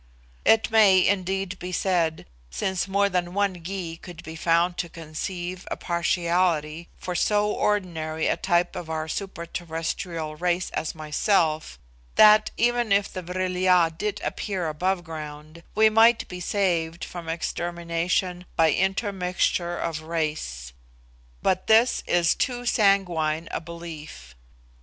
It may, indeed, be said, since more than one Gy could be found to conceive a partiality for so ordinary a type of our super terrestrial race as myself, that even if the Vril ya did appear above ground, we might be saved from extermination by intermixture of race. But this is too sanguine a belief.